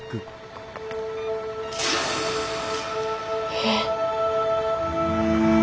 えっ？